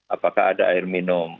apakah ada air minum